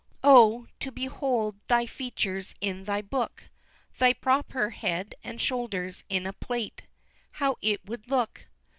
II. Oh, to behold thy features in thy book! Thy proper head and shoulders in a plate, How it would look!